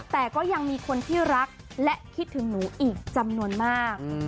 แต่ก็ยังมีคนที่รักและคิดถึงหนูอีกจำนวนมาก